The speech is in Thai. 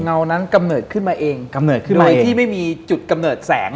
เงานั้นกำเนิดขึ้นมาเองโดยที่ไม่มีจุดกำเนิดแสง